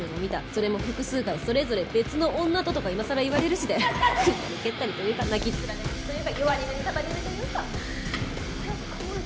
“それも複数回それぞれ別の女と”とか今さら言われるしで踏んだり蹴ったりというか泣きっ面に蜂というか弱り目に祟り目というか」